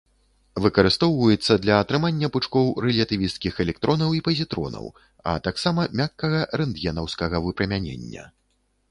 Выкарыстоўваецца для атрымання пучкоў рэлятывісцкіх электронаў і пазітронаў, а таксама мяккага рэнтгенаўскага выпрамянення.